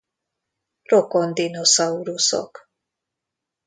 Rokon dinoszauruszok